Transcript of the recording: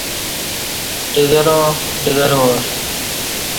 ڈگراں ڈگروار